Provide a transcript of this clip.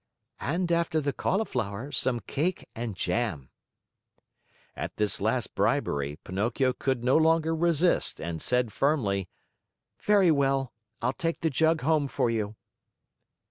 "And after the cauliflower, some cake and jam." At this last bribery, Pinocchio could no longer resist and said firmly: "Very well. I'll take the jug home for you."